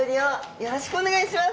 よろしくお願いします。